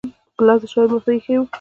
ګیلاس د شاعر مخې ته ایښی وي.